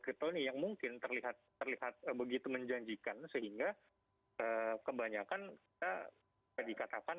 kripto ini yang mungkin terlihat terlihat begitu menjanjikan sehingga kebanyakan kita dikatakan